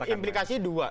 ini implikasi dua